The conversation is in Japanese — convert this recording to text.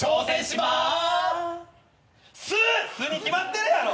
「す」に決まってるやろ！